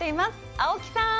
青木さん！